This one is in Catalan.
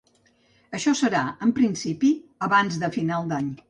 Això serà, en principi, abans de final d’any.